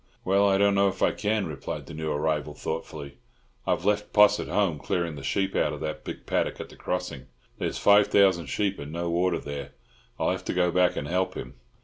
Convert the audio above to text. "Well, I don't know if I can," replied the new arrival thoughtfully. "I've left Poss at home clearing the sheep out of that big paddock at the Crossing. There's five thousand sheep, and no water there; I'll have to go back and help him.